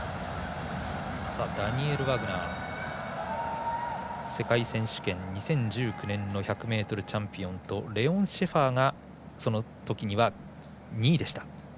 ダニエル・ワグナー世界選手権２０１９年の１００ｍチャンピオンとレオン・シェファーがそのときには２位でした。